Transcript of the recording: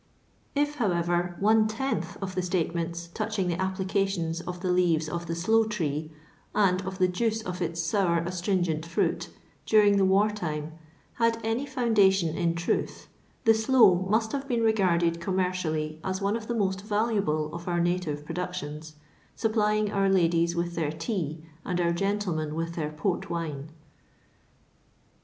If, however, one tenth of the statements touching tlie applications of the leaves of the sloe tree, and of the juice of its sour, astringent finiit, during the war time, had any foundation in truth, the sloe must have been regarded commercially as one of the most valuable of our native productions, supplying our ladies with their tea, and our gentlemen with their port wine.